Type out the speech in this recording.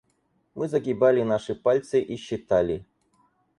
Мы загибали наши пальцы и считали.